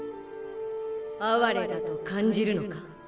哀れだと感じるのか？